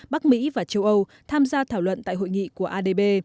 bắc mỹ và châu âu tham gia thảo luận tại hội nghị của adb